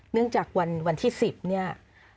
เนื่องจากวันที่๑๐เนี่ย